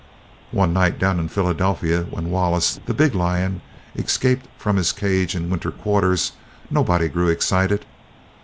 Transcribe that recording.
On the night down in Philadelphia when Wallace, the big lion, escaped from his cage in winter quarters nobody grew excited.